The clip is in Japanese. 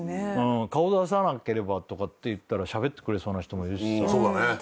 顔出さなければとかっていったらしゃべってくれそうな人もいるしさ。